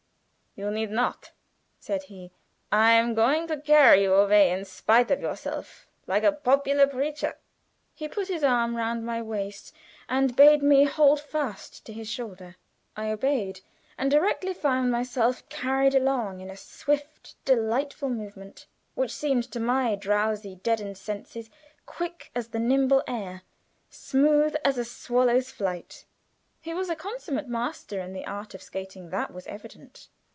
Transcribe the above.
"You need not," said he. "I am going to carry you away in spite of yourself, like a popular preacher." He put his arm round my waist and bade me hold fast to his shoulder. I obeyed, and directly found myself carried along in a swift, delightful movement, which seemed to my drowsy, deadened senses, quick as the nimble air, smooth as a swallow's flight. He was a consummate master in the art of skating that was evident.